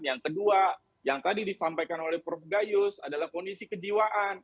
yang kedua yang tadi disampaikan oleh prof gayus adalah kondisi kejiwaan